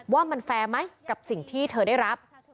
ว่ามันแฟร์ไหมกับสิ่งที่เธอได้รับ